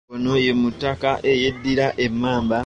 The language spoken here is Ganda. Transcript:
Ono ye mutaka eyeddira emmamba.